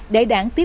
để đảng tự nhiên